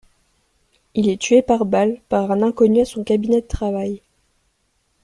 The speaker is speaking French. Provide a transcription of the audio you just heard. Il est tué par balle par un inconnu à son cabinet de travail.